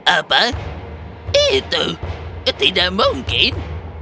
apa itu tidak mungkin